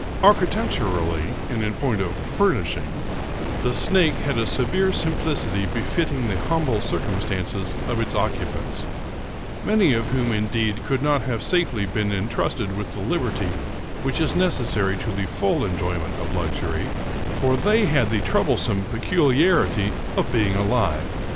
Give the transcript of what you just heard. Architecturally, and in point of " furnishing," the Snakery had a severe simplicity befitting the humble circumstances of its occupants, many of whom, indeed, could not safely have been intrusted with the liberty which is necessary to the full enjoyment of luxury, for they had the troublesome peculiarity of being alive.